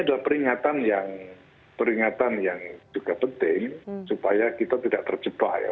ini adalah peringatan yang juga penting supaya kita tidak terjebak ya